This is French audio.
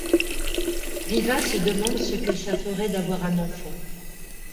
Viva se demande ce que ça ferait d'avoir un enfant.